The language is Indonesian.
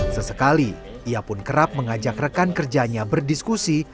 sesekali ia pun kerap mengajak rekan kerjanya berdiskusi